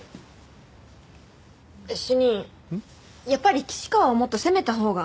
主任やっぱり岸川をもっと攻めたほうが。